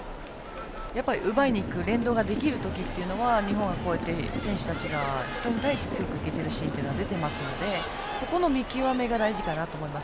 奪いにいく連動ができる時というのは日本、選手たちが人に対して強くいけているシーンはありますのでそこの見極めが大事だと思います。